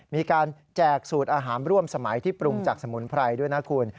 แจกสูตรอาหารร่วมสมัยที่ปรุงจากสมุนไพรด้วยนะคุณ